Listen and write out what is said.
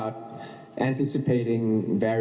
คุณทศก่อนครับ